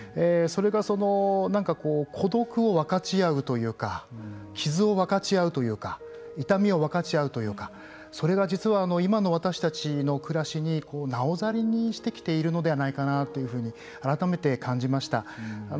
それが何かこう孤独を分かち合うというか傷を分かち合うというか痛みを分かち合うというかそれが実は今の私たちの暮らしになおざりにしてきているのではないかなというふうに改めて感じました。